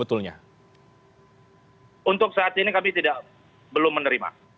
untuk saat ini kami belum menerima